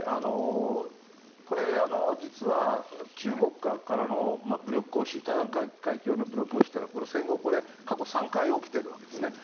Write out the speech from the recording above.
これ、実は中国からの武力行使台湾海峡の武力行使というのはこれ、戦後過去３回起きているわけですね。